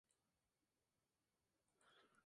El norte está hacia arriba y el este hacia la izquierda.